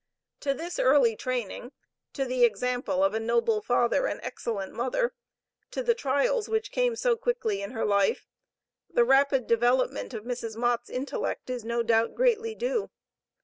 To this early training, to the example of a noble father and excellent mother, to the trials which came so quickly in her life, the rapid development of Mrs. Mott's intellect is no doubt greatly due.